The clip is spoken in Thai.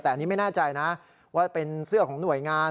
แต่อันนี้ไม่แน่ใจนะว่าเป็นเสื้อของหน่วยงาน